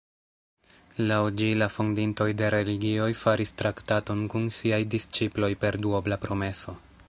Laŭ ĝi, la fondintoj de religioj faris traktaton kun siaj disĉiploj per duobla promeso.